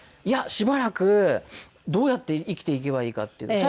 いやしばらくどうやって生きていけばいいかっていう。